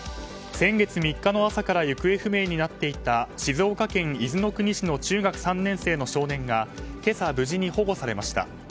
先月３日の朝から行方不明になっていた静岡県伊豆の国市の中学３年生の少年が今朝、無事に保護されました。